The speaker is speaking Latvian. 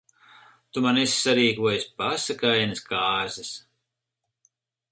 Tu man esi sarīkojis pasakainas kāzas.